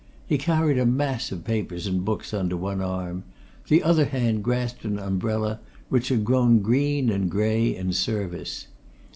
He carried a mass of papers and books under one arm; the other hand grasped an umbrella which had grown green and grey in service.